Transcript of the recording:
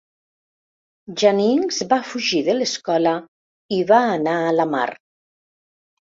Janings va fugir de l'escola i va anar a la mar.